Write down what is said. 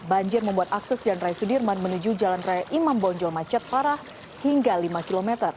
banjir membuat akses jalan raya sudirman menuju jalan raya imam bonjol macet parah hingga lima km